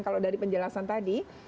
kalau dari penjelasan tadi